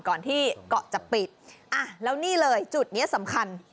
ก่อนที่เกาะจะปิดอ่ะแล้วนี่เลยจุดนี้สำคัญ